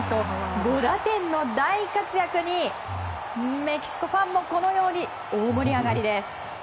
５打点の大活躍にメキシコファンもこのように大盛り上がりです。